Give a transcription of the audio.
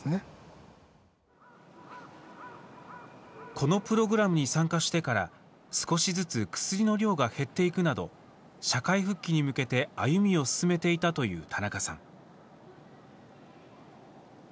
このプログラムに参加してから少しずつ薬の量が減っていくなど社会復帰に向けて歩みを進めていたという田中さん。